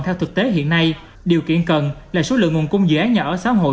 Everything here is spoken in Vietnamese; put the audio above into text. trong thế hiện nay điều kiện cần là số lượng nguồn cung dự án nhà ở xã hội